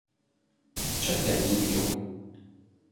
出人意表